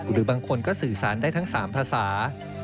หรือบางคนก็สื่อสารได้ทั้ง๓ภาษา